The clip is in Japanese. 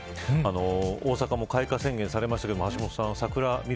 大阪も開花宣言されましたけど橋下さん